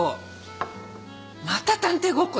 また探偵ごっこですか？